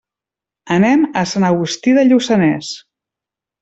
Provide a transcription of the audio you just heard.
Anem a Sant Agustí de Lluçanès.